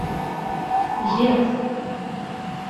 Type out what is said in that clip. Giɣ-t.